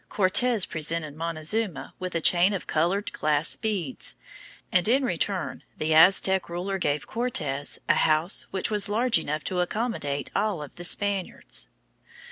Cortes presented Montezuma with a chain of colored glass beads, and in return the Aztec ruler gave Cortes a house which was large enough to accommodate all of the Spaniards.